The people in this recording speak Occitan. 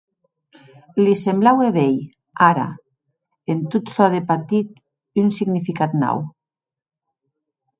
Li semblaue veir, ara, en tot çò de patit un significat nau.